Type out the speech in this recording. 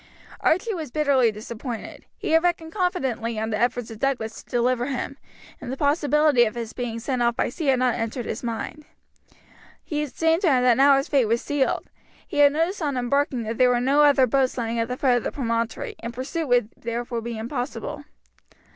Archie was bitterly disappointed. He had reckoned confidently on the efforts of Douglas to deliver him, and the possibility of his being sent off by sea had not entered his mind. It seemed to him now that his fate was sealed. He had noticed on embarking that there were no other boats lying at the foot of the promontory, and pursuit would therefore be impossible.